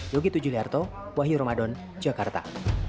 yogi tujuliarto wahyu ramadan jakarta